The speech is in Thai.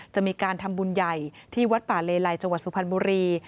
จะมีการทำบุญใหญ่ที่วัดป่าเลไลจังหวัดสุพรรณบุรี